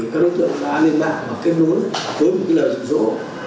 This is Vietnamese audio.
các đối tượng đã liên lạc và kết nối với một lời dự dỗ